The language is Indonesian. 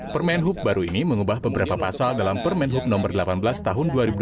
permen hub baru ini mengubah beberapa pasal dalam permen hub no delapan belas tahun dua ribu dua puluh